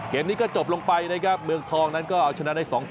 เกมนี้ก็จบลงไปนะครับเมืองทองนั้นก็เอาชนะได้๒๐